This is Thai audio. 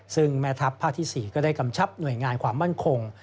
ซึ่งแม่ทัพภาคที่๔ก็ได้กำชับหน่วยงานความมั่นคง